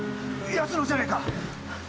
奴のじゃねえか！？